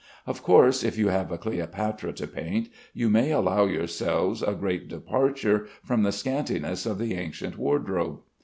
Of course, if you have a Cleopatra to paint, you may allow yourselves a great departure from the scantiness of the ancient wardrobe.